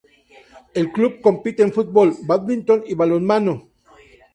El club compite en fútbol, badminton y balonmano.